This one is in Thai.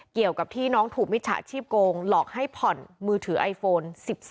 เกี่ยวกับที่น้องถูกมิจฉาชีพโกงหลอกให้ผ่อนมือถือไอโฟน๑๒